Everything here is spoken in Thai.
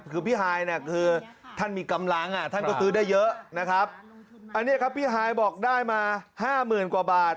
คือพี่ฮายเนี่ยคือท่านมีกำลังท่านก็ซื้อได้เยอะนะครับอันนี้ครับพี่ฮายบอกได้มาห้าหมื่นกว่าบาท